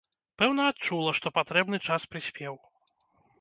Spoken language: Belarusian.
Пэўна, адчула, што патрэбны час прыспеў.